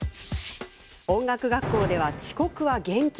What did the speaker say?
音楽学校では、遅刻は厳禁。